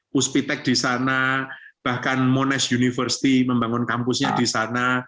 puspitek di sana bahkan monash university membangun kampusnya di sana